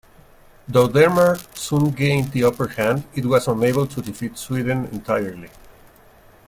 Though Denmark soon gained the upper hand, it was unable to defeat Sweden entirely.